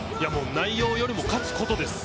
内容よりも勝つことです